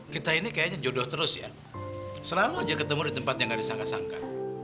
kita ini kayaknya jodoh terus ya selalu aja ketemu di tempat yang gak disangka sangka